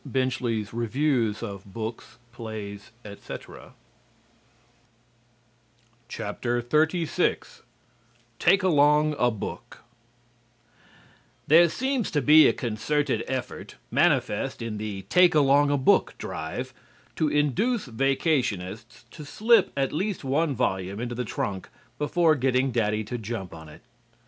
Now write to your congressman! LITERARY DEPARTMENT XXXVI "TAKE ALONG A BOOK" There seems to be a concerted effort, manifest in the "Take Along a Book" drive, to induce vacationists to slip at least one volume into the trunk before getting Daddy to jump on it.